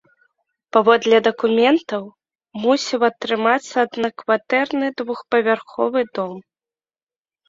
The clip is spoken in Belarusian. Паводле дакументаў, мусіў атрымацца аднакватэрны двухпавярховы дом.